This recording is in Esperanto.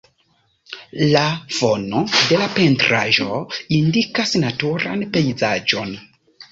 La fono de la pentraĵo indikas naturan pejzaĝon.